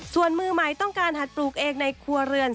ส่วนมือใหม่ต้องการหัดปลูกเองในครัวเรือน